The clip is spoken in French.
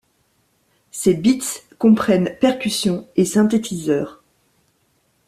Ses beats comprennent percussions et synthétiseurs.